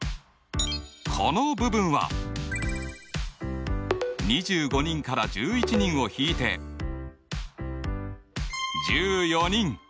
この部分は２５人から１１人を引いて１４人。